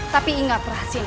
tapi ingatlah sini